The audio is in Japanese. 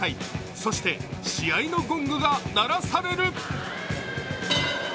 そして試合のゴングが鳴らされる。